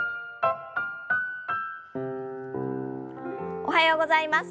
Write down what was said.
おはようございます。